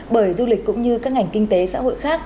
bởi du lịch cũng như các ngành kinh tế xã hội khác